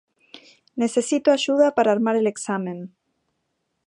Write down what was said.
Necesito ayuda para armar el exámen.